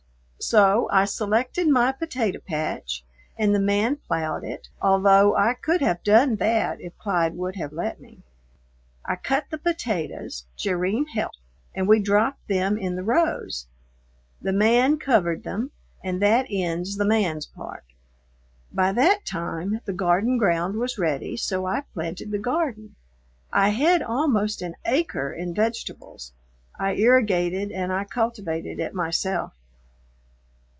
So I selected my potato patch, and the man ploughed it, although I could have done that if Clyde would have let me. I cut the potatoes, Jerrine helped, and we dropped them in the rows. The man covered them, and that ends the man's part. By that time the garden ground was ready, so I planted the garden. I had almost an acre in vegetables. I irrigated and I cultivated it myself.